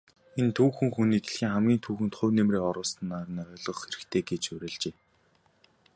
Энэ түүхэн хүнийг дэлхийн түүхэнд хувь нэмрээ оруулснаар нь ойлгох хэрэгтэй гэж уриалжээ.